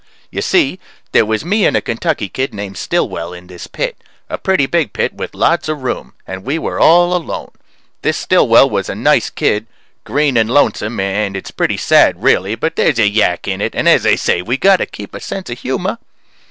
You see, there was me and a Kentucky kid named Stillwell in this pit a pretty big pit with lots of room and we were all alone. This Stillwell was a nice kid green and lonesome and it's pretty sad, really, but there's a yak in it, and as I say we got to keep a sense of humor.